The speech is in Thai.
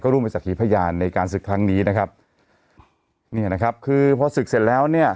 ร่วมเป็นสักขีพยานในการศึกครั้งนี้นะครับเนี่ยนะครับคือพอศึกเสร็จแล้วเนี่ย